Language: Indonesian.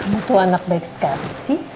kamu tuh anak baik sekali sih